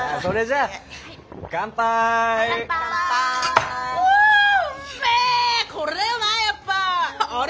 あれ？